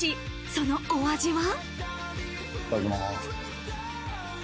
そのお味は。